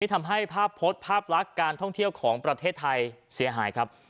ทำให้ภาพพจน์ภาพลักษณ์การท่องเที่ยวของประเทศไทยเสียหายครับ